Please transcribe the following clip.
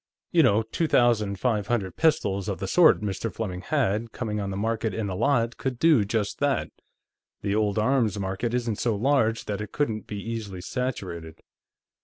You know, two thousand five hundred pistols of the sort Mr. Fleming had, coming on the market in a lot, could do just that. The old arms market isn't so large that it couldn't be easily saturated."